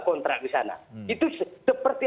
kontrak di sana itu seperti